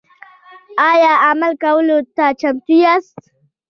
ایا عمل کولو ته چمتو یاست؟